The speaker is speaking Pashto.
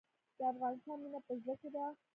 د افغانستان مینه په زړه کې ده